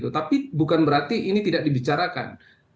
tapi bukan berarti ini tidak dibicarakan